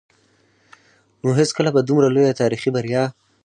نو هېڅکله به دومره لويه تاريخي بريا